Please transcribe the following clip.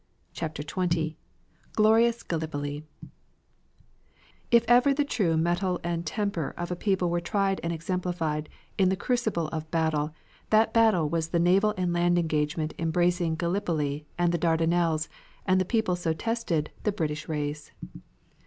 CHAPTER XX GLORIOUS GALLIPOLI If ever the true mettle and temper of a people were tried and exemplified in the crucible of battle, that battle was the naval and land engagement embracing Gallipoli and the Dardanelles and the people so tested, the British race.